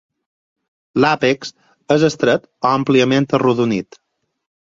L'àpex és estret o àmpliament arrodonit.